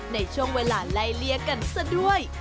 ในช่วงเวลาไล่เลี่ยกันซะด้วย